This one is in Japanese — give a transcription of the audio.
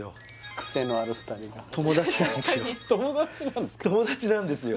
クセのある２人が友達なんですよ友達なんですか？